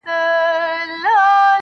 د ژوندانه كارونه پاته رانه.